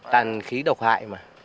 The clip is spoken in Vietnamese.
tàn khí độc hại mà